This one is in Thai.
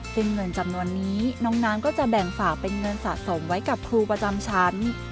ซึ่งเงินจำนวนนี้น้องน้ำก็จะแบ่งฝากเป็นเงินสะสมไว้กับครูประจำชั้น